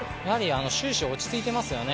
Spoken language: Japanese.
終始落ち着いていますよね。